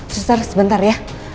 sus sebentar ya